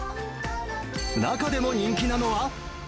中でも人気なのは。